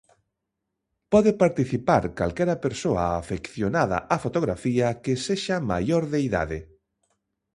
Pode participar calquera persoa afeccionada á fotografía que sexa maior de idade.